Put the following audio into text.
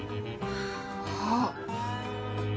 あっ。